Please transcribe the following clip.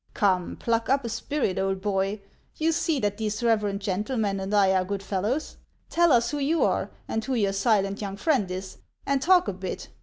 " Come, pluck up a spirit, old boy ! You see that these reverend gentlemen and I are good fellows. Tell us who you are, and who your silent young friend is, and talk a bit.